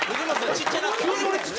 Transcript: ちっちゃなった？